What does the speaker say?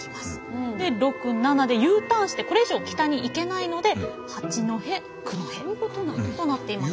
で六七でＵターンしてこれ以上北に行けないので八戸九戸となっています。